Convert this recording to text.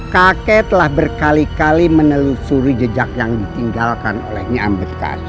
kakek telah berkali kali menelusuri jejak yang ditinggalkan olehnya amerika